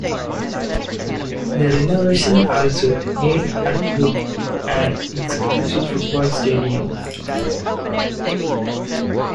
The renovation also made Atwood an exclusive football stadium.